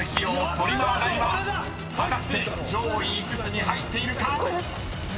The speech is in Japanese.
トリマー代は果たして上位５つに入っているか⁉］